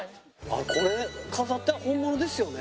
あっこれ飾った本物ですよね？